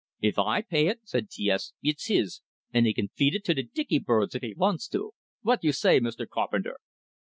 "If I pay it," said T S, "it's his, and he can feed it to de dicky birds if he vants to. Vot you say, Mr. Carpenter?"